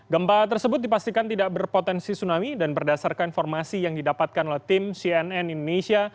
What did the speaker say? gempa tersebut dipastikan tidak berpotensi tsunami dan berdasarkan informasi yang didapatkan oleh tim cnn indonesia